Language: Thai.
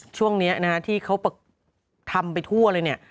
ช่วงนี้นะฮะที่เขาทำไปทั่วเลยเนี่ย